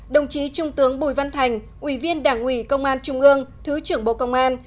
đồng chí trung tướng bùi văn thành ủy viên đảng ủy công an trung ương thứ trưởng bộ công an